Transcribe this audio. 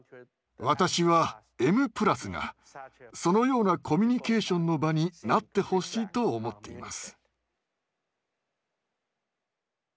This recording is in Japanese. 私は「Ｍ＋」がそのようなコミュニケーションの場になってほしいと思っています。